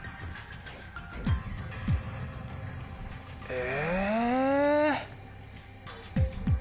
え。